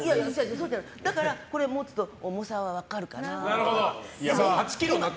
だから、これ持つと重さは分かるかなって。